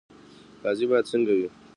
قاضي باید څنګه وي؟